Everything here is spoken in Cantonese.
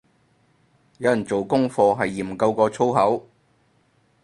有人做功課係研究過粗口